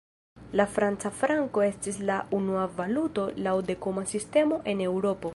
La franca franko estis la unua valuto laŭ dekuma sistemo en Eŭropo.